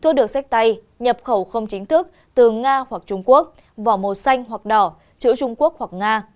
thu được sách tay nhập khẩu không chính thức từ nga hoặc trung quốc vỏ màu xanh hoặc đỏ chữ trung quốc hoặc nga